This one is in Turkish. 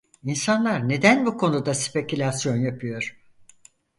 İnsanlar neden bu konuda spekülasyon yapıyor?